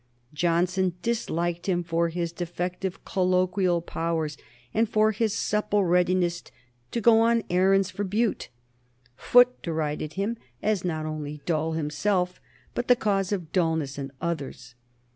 Johnson disliked him for his defective colloquial powers and for his supple readiness to go on errands for Bute. Foote derided him as not only dull himself, but the cause of dulness in others.